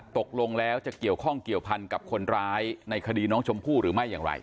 ตกลงแล้วจะเกี่ยวข้องเกี่ยวพันกับคนร้ายในคดีน้องชมพู่หรือไม่อย่างไร